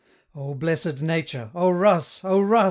O blessed nature, "O rus! O rus!"